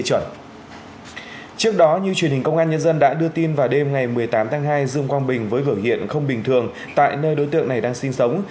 trước đó như truyền hình công an nhân dân đã đưa tin vào đêm ngày một mươi tám tháng hai dương quang bình với hưởng hiện không bình thường tại nơi đối tượng này đang sinh sống